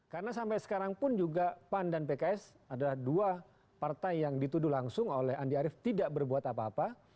karena sampai sekarang pun juga pan dan pks adalah dua partai yang dituduh langsung oleh andi arief tidak berbuat apa apa